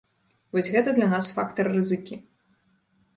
Вось гэта для нас фактар рызыкі.